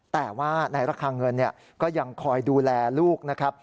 แต่ว่าในราคาเงินก็ยังคอยดูแลลูกนะครับ